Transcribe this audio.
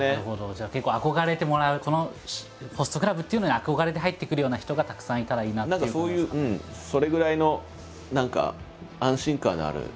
じゃあ結構憧れてもらうこのホストクラブっていうのに憧れて入ってくるような人がたくさんいたらいいなっていう感じなんですかね。